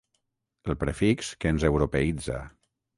El prefix que ens europeïtza.